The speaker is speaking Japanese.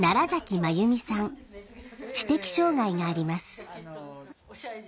知的障害があります。